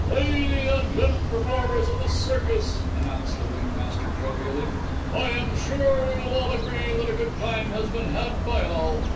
"Lady and gent performers of this circus," announced the ringmaster jovially, "I am sure we will all agree that a good time has been had by all.